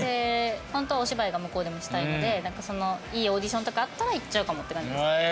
ホントはお芝居が向こうでもしたいのでいいオーディションとかあったら行っちゃうかもって感じです。